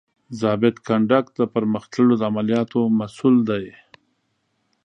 ضابط کنډک د پرمخ تللو د عملیاتو مسؤول دی.